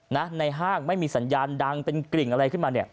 ในห้างไม่มีสัญญาณดังเป็นกริ่งอะไรขึ้นมาเนี่ย